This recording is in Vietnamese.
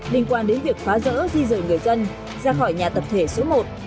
liên quan đến việc phá rỡ di rời người dân ra khỏi nhà tập thể số một